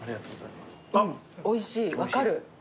おいしい分かる。